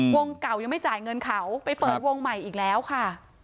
วงเก่ายังไม่จ่ายเงินเขาไปเปิดวงใหม่อีกแล้วค่ะ